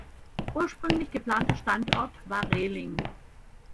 Ursprünglich geplanter Standort war Rehling.